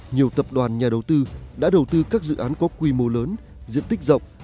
nhiều tập đoàn nhà đầu tư đã đầu tư các dự án có quy mô lớn diện tích rộng